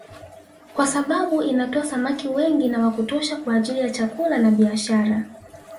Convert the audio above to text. Kwa sababu inatoa samaki wengi na wa kutosha kwa ajili ya chakula na biashara